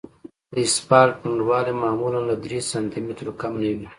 د اسفالټ پنډوالی معمولاً له درې سانتي مترو کم نه وي